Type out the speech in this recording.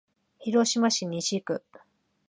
広島市西区